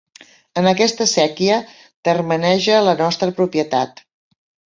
En aquesta séquia termeneja la nostra propietat.